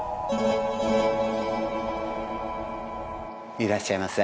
いらっしゃいませ。